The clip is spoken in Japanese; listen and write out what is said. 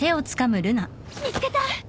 見つけた！